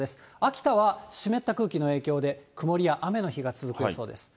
秋田は湿った空気の影響で、曇りや雨の日が続く予報です。